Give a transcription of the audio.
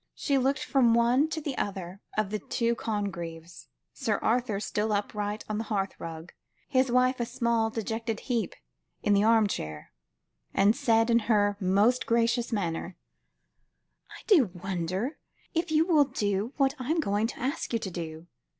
She looked from one to the other of the two Congreves Sir Arthur still upright on the hearth rug; his wife a small, dejected heap in an armchair and said in her most gracious manner "I do wonder if you will do what I am going to ask you to do?